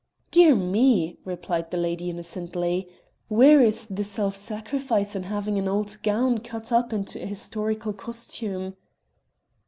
"Dear me," replied the lady innocently, "where is the self sacrifice in having an old gown cut up into a historical costume?"